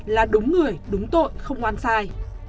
là đúng người đúng tội không oan sai